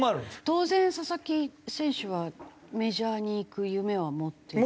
当然佐々木選手はメジャーに行く夢は持ってる？